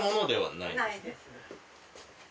ないです。